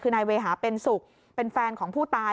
คือนายเวหาเป็นสุขเป็นแฟนของผู้ตาย